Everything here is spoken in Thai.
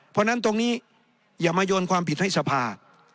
เพราะฉะนั้นตรงนี้อย่ามาโยนความผิดให้สภา